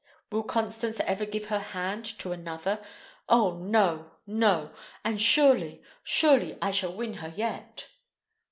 Will Constance ever give her hand to another? Oh, no, no! And surely, surely, I shall win her yet."